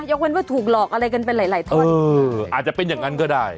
เว้นว่าถูกหลอกอะไรกันไปหลายหลายท่อนอาจจะเป็นอย่างนั้นก็ได้